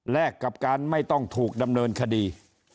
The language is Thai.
กับการไม่ต้องถูกดำเนินคดี